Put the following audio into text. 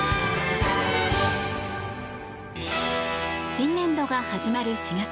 新年度が始まる４月。